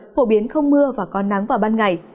phổ biến không mưa và có nắng vào ban ngày